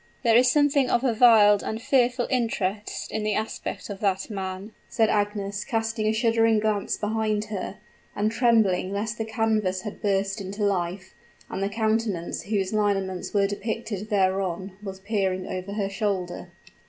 "There is something of a wild and fearful interest in the aspect of that man," said Agnes, casting a shuddering glance behind her, and trembling lest the canvas had burst into life, and the countenance whose lineaments were depicted thereon was peering over her shoulder.